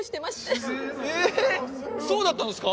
ええっそうだったんですか？